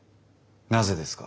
なぜですか？